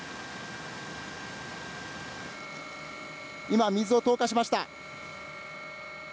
今水を投下しました。